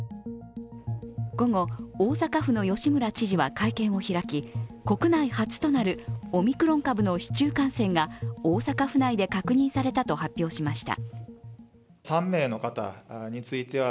午後、大阪府の吉村知事は会見を開き、国内初となるオミクロン株の市中感染が大阪府内で確認されたと発表しました。